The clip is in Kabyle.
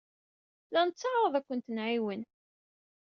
La netteɛṛaḍ ad kent-nɛiwen.